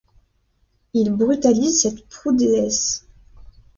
Ils brutalisaient cette proue déesse.